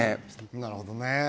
なるほどね。